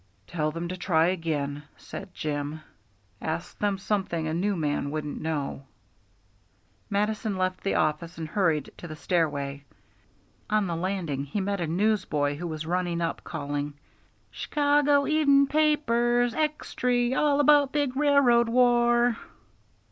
"Tell them to try again," said Jim. "Ask them something a new man wouldn't know." Mattison left the office and hurried to the stairway. On the landing he met a newsboy who was running up, calling: "Shcago Even' Papers! Extry! All about big railroad war!"